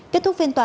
kết thúc phiên tòa